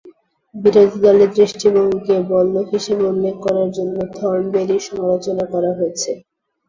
বিরোধী দলের দৃষ্টিভঙ্গিকে "বললক" হিসেবে উল্লেখ করার জন্য থর্নবেরির সমালোচনা করা হয়েছে।